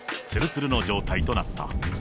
つるつるの状態となった。